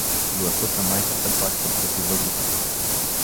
Гласът на майката пак процепи въздуха.